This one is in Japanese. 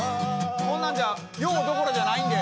こんなんじゃ用どころじゃないんで。